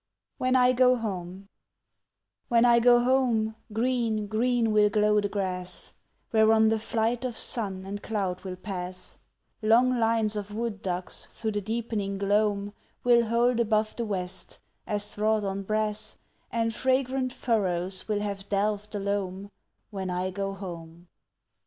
When I Go Home When I go home, green, green will glow the grass, Whereon the flight of sun and cloud will pass; Long lines of wood ducks through the deepening gloam Will hold above the west, as wrought on brass, And fragrant furrows will have delved the loam, When I go home.